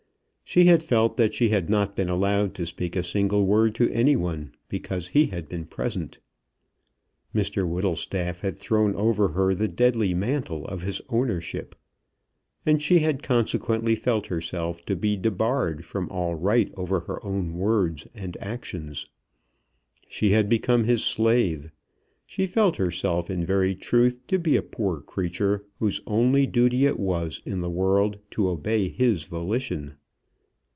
She had felt that she had not been allowed to speak a single word to any one, because he had been present. Mr Whittlestaff had thrown over her the deadly mantle of his ownership, and she had consequently felt herself to be debarred from all right over her own words and actions. She had become his slave; she felt herself in very truth to be a poor creature whose only duty it was in the world to obey his volition.